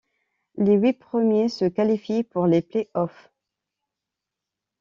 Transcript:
Les huit premiers se qualifient pour les Play-offs.